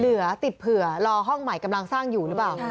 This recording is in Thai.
เหลือติดเผื่อรอห้องใหม่กำลังสร้างอยู่หรือเปล่า